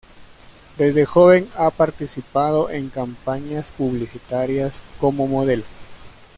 Desde joven ha participado en campañas publicitarias como modelo.